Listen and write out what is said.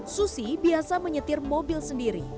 susi biasa menyetir mobil sendiri